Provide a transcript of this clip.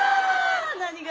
何が？